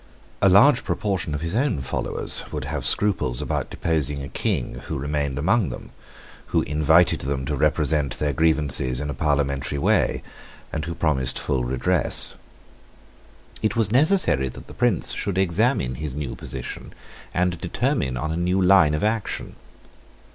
A large proportion of his own followers would have scruples about deposing a King who remained among them, who invited them to represent their grievances in a parliamentary way, and who promised full redress. It was necessary that the Prince should examine his new position, and determine on a new line of action.